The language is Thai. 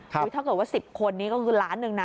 ถ้าเกิดว่าสิบคนนี่ก็คือล้านหนึ่ง